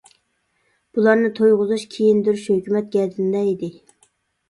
بۇلارنى تويغۇزۇش، كىيىندۈرۈش ھۆكۈمەت گەدىنىدە ئىدى.